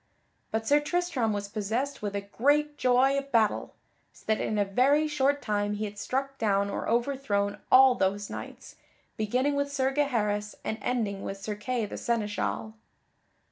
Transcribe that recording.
But Sir Tristram was possessed with a great joy of battle, so that in a very short time he had struck down or overthrown all those knights, beginning with Sir Gaheris, and ending with Sir Kay the seneschal.